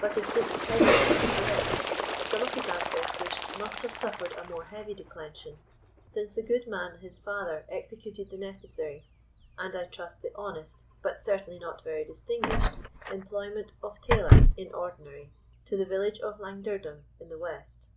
But if Dick's pedigree was correct, some of his ancestors must have suffered a more heavy declension, since the good man his father executed the necessary, and, I trust, the honest, but certainly not very distinguished, employment of tailor in ordinary to the village of Langdirdum in the west.